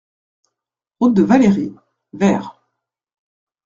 Route de Valleiry, Vers